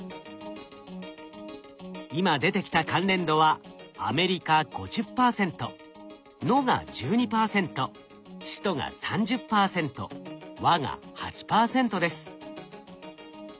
今出てきた関連度は「アメリカ」５０％「の」が１２％「首都」が３０％「は」が８％です。